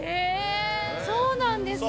そうなんですか。